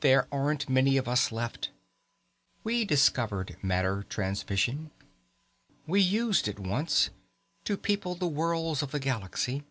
"There aren't many of us left. We discovered matter transmission. We used it once, to people the worlds of the galaxy.